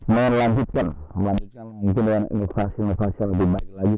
menelanjurkan menelanjurkan dengan inovasi inovasi yang lebih baik lagi